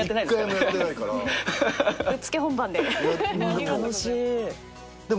ぶっつけ本番で。